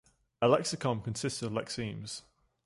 A lexicon consists of lexemes.